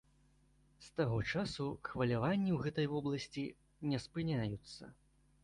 З таго часу хваляванні ў гэтай вобласці не спыняюцца.